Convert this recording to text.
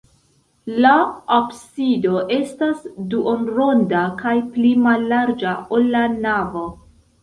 La absido estas duonronda kaj pli mallarĝa, ol la navo.